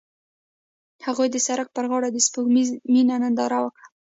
هغوی د سړک پر غاړه د سپوږمیز مینه ننداره وکړه.